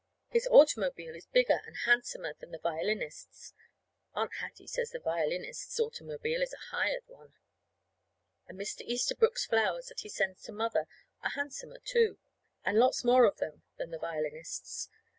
His automobile is bigger and handsomer than the violinist's. (Aunt Hattie says the violinist's automobile is a hired one.) And Mr. Easterbrook's flowers that he sends to Mother are handsomer, too, and lots more of them, than the violinist's.